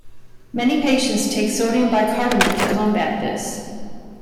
Many patients take sodium bicarbonate to combat this.